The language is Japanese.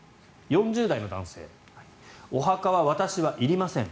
４０代の男性お墓は私はいりません。